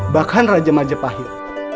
bahkan raja majapahit